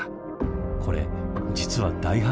これ実は大発見。